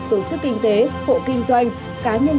tổ chức kinh tế hộ kinh doanh cá nhân